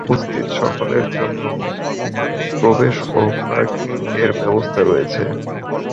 উপস্থিত সকলের জন্য প্রবেশ ও পার্কিং-এর ব্যবস্থা রয়েছে।